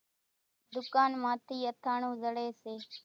ۮُڪانَ مان ٿِي اٿاڻون زڙيَ سي۔